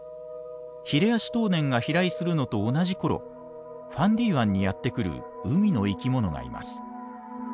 ヒレアシトウネンが飛来するのと同じころファンディ湾にやって来る海の生き物がいます。